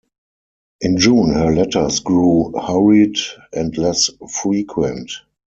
In June her letters grew hurried and less frequent.